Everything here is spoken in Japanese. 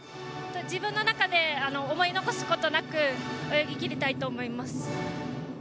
自分の中で思い残すことなく泳ぎ切りたいと思います。